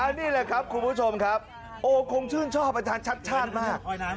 นี่แหละครับคุณผู้ชมครับโอ้คงชื่นชอบอาจารย์ชัดชาติมาก